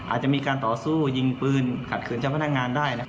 อาจจะมีการต่อสู้ยิงปืนขัดขืนเจ้าพนักงานได้